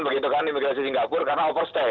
begitukan imigrasi singapura karena overstay